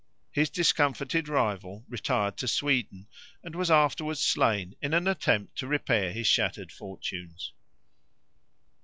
His discomfited rival retired to Sweden and was afterwards slain in an attempt to repair his shattered fortunes.